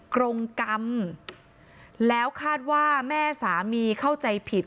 กรงกรรมแล้วคาดว่าแม่สามีเข้าใจผิด